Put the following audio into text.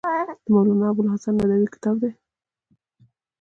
دا مولانا ابوالحسن ندوي کتاب دی.